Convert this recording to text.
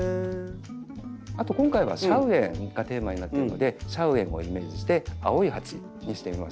あと今回は「シャウエン」がテーマになってるのでシャウエンもイメージして青い鉢にしてみました。